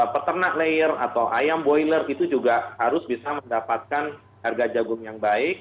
peternak layer atau ayam boiler itu juga harus bisa mendapatkan harga jagung yang baik